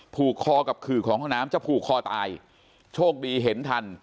ผูกคอกับขื่อของห้องน้ำจะผูกคอตายโชคดีเห็นทัน